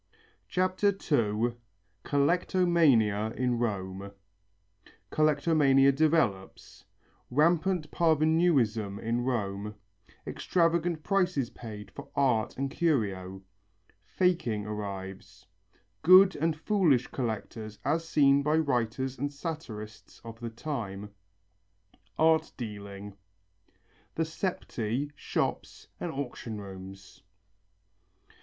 CHAPTER II COLLECTOMANIA IN ROME Collectomania develops Rampant parvenuism in Rome Extravagant prices paid for art and curio Faking arrives Good and foolish collectors as seen by writers and satirists of the time Art dealing The septæ, shops and auction rooms.